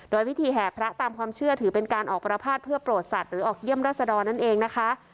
โดยวิธีแห่พระตามความเชื่อถือเป็นการออกประพาทเพื่อโปรดสัตว์หรือออกเยี่ยมรัศดรนั่นเองนะคะ